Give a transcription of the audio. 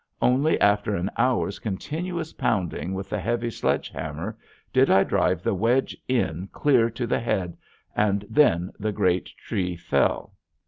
Only after an hour's continuous pounding with the heavy sledge hammer did I drive the wedge in clear to the head, and then the great tree fell.